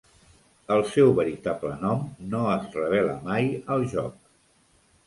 El seu veritable nom no es revela mai al joc.